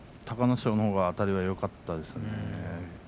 隆の勝のほうがあたりはよかったですね。